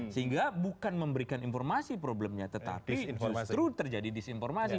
sehingga bukan memberikan informasi problemnya tetapi justru terjadi disinformasi